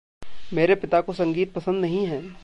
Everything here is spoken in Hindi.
मेरे पिता को संगीत पसंद नहीं है।